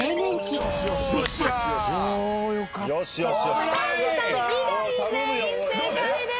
高橋さん以外全員正解です。